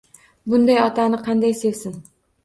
Bunday otani qanday sevsin